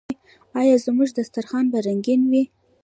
آیا زموږ دسترخان به رنګین وي؟